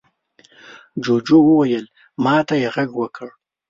جوجو وويل: ما ته يې غږ وکړ.